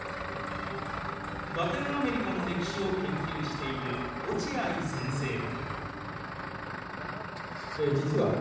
ラテンアメリカの歴史を研究している落合先生は。